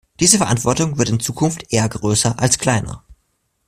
Diese Verantwortung wird in Zukunft eher größer als kleiner.